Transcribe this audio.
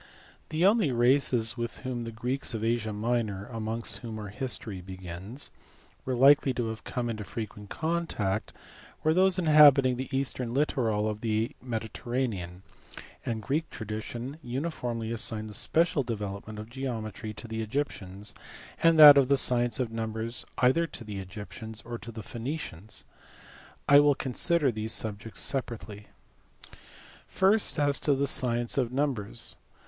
The only races with whom the Greeks of Asia Minor (amongst whom our history begins) were likely to have come into frequent contact were those inhabiting the eastern littoral of the Mediterranean: and Greek tradition uniformly assigned the special development of geometry to the Egyptians, and that of the science of numbers either to the Egyptians or to the Phoenicians. I will consider these subjects separately. First, as to the science of numbers.